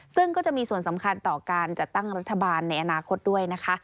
ซึ่งก็จะมีส่วนสำคัญต่อการจัดตั้งรัฐบาลในอนาคตด้วยนะคะ